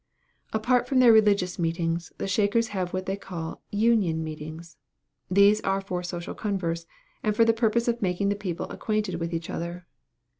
Apart from their religious meetings, the Shakers have what they call "union meetings." These are for social converse, and for the purpose of making the people acquainted with each other.